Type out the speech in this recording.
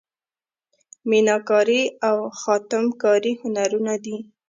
میناکاري او خاتم کاري هنرونه دي.